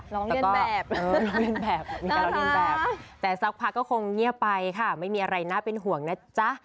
ร้องเลี่ยนแบบน้องค้าแต่สักพักก็คงเงียบไปค่ะไม่มีอะไรน่าเป็นห่วงนะจ๊ะ